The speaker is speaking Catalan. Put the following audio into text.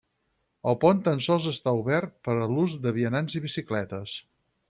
El pont tan sols està obert per a l'ús de vianants i bicicletes.